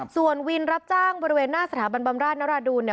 ส่วนวินรับจ้างบริเวณหน้าสถาบันบำราชนรดูล